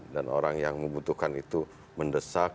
orang yang membutuhkan itu mendesak